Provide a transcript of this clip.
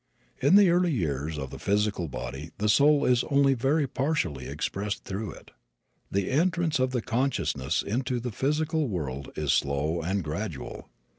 In the early years of the physical body the soul is only very partially expressed through it. The entrance of the consciousness into the physical world is slow and gradual.